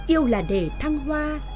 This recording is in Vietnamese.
yêu là để thăng hoa